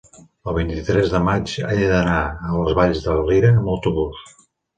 el vint-i-tres de maig he d'anar a les Valls de Valira amb autobús.